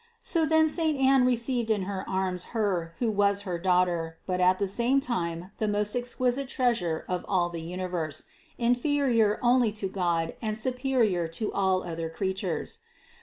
328. So then saint Anne received in her arms Her, who was her Daughter, but at the same time the most exquisite Treasure of all the universe, inferior only to God and superior to all other creatures.